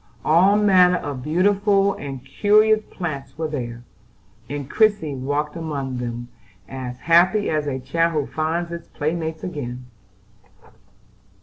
All manner of beautiful and curious plants were there; and Christie walked among them, as happy as a child who finds its playmates again.